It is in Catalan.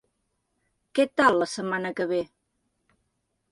Què tal la setmana que ve?